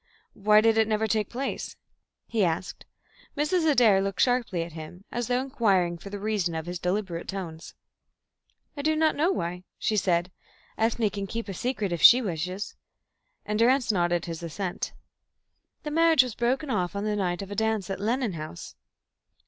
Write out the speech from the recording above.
Why did it never take place?" he asked. Mrs. Adair looked sharply at him, as though inquiring for the reason of his deliberate tones. "I don't know why," she said. "Ethne can keep a secret if she wishes," and Durrance nodded his assent. "The marriage was broken off on the night of a dance at Lennon House."